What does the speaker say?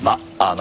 あ？